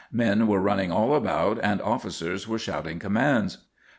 Men were running all about and officers were shouting commands.